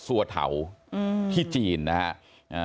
สัวเถาที่จีนนะครับ